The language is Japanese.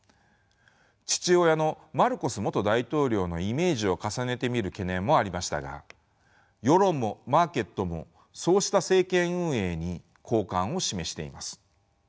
父親のマルコス元大統領のイメージを重ねて見る懸念もありましたが世論もマーケットもそうした政権運営に好感を示しています。